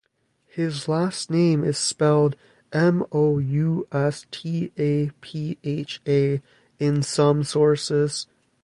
His last name is spelled Moustapha in some sources.